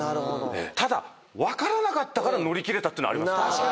ただ分からなかったから乗り切れたってのあります。